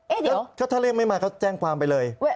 เอ๊ะเดี๋ยวก็ถ้าเรียกไม่มาก็แจ้งความไปเลย